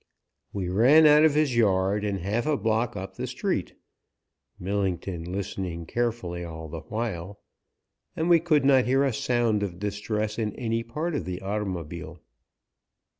We ran out of his yard and half a block up the street, Millington listening carefully all the while, and we could not hear a sound of distress in any part of the automobile.